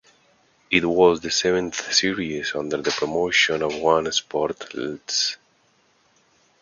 It was the seventh series under the promotion of One Sport Lts.